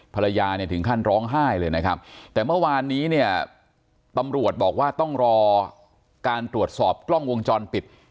ภรรยาเนี่ยถึงขั้นร้องไห้เลยนะครับแต่เมื่อวานนี้เนี่ยตำรวจบอกว่าต้องรอการตรวจสอบกล้องวงจรปิด